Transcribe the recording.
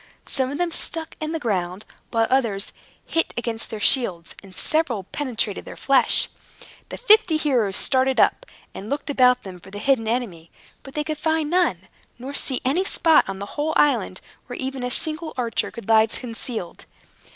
Some of them stuck in the ground, while others hit against their shields, and several penetrated their flesh. The fifty heroes started up, and looked about them for the hidden enemy, but could find none, nor see any spot, on the whole island, where even a single archer could lie concealed.